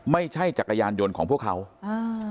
ไม่ใช่จักรยานยนต์ของพวกเขาอ้าว